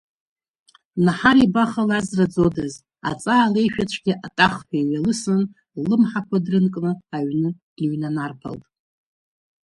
Наҳар ибаха лазраӡодаз, аҵаа леишәацәгьа атахҳәа иҩалысын, ллымҳақәа дрынкны, аҩны дныҩнанарԥалт.